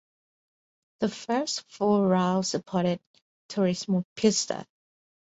The first four rounds supported Turismo Pista.